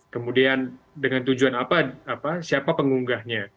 kemudian dengan tujuan apa siapa pengunggahnya